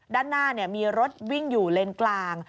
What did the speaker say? ด้านหน้ามีรถวิ่งอยู่เลนกลาง